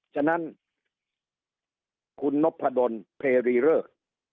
ฉะนั้นคุณนพดลเพรีเริก